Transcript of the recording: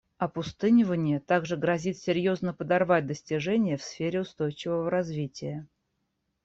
Опустынивание также грозит серьезно подорвать достижения в сфере устойчивого развития.